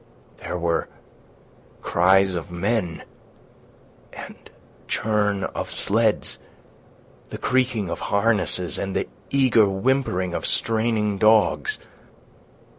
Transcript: There were cries of men, and churn of sleds, the creaking of harnesses, and the eager whimpering of straining dogs.